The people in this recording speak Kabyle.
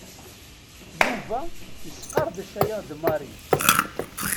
Yuba yesqerdec aya d Mary.